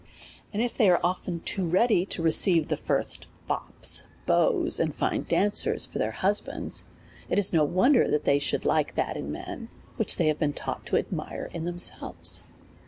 And if they are often too ready to receive the first DEVOUT AND HOLY LIFE. 253 fops, beaux, and fine dancers for their husbands ; it is no wonder they should like that in men, which they have been taught to admire in themselves.